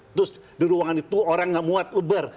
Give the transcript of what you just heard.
terus di ruangan itu orang gak muat lebar